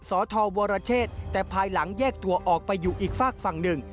สวทวรเชษแต่ภายหลังแยกตัวออกไปอยู่อีกฝากฝั่งหนึ่ง